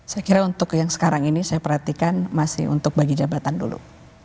saya kira untuk yang sekarang ini saya perhatikan masih untuk bagi jabatan dulu